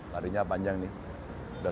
larinya panjang nih